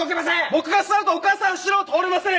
僕が座るとお母さん後ろを通れません！